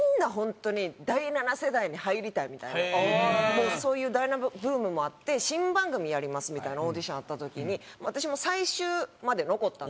もうそういう第七ブームもあって新番組やりますみたいなオーディションあった時に私も最終まで残ったんですよ。